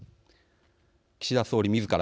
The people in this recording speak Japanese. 岸田総理みずから